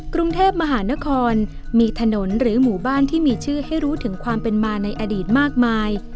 กรุงเทพมหานครมีถนนหรือหมู่บ้านที่มีชื่อให้รู้ถึงความเป็นมาในอดีตมากมาย